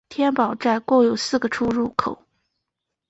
天宝站共有四个出入口。